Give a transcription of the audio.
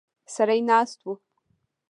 سړی ناست و.